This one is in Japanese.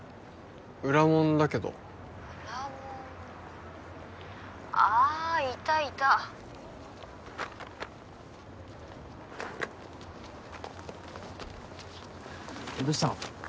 裏門だけど☎裏門☎あいたいたどうしたの？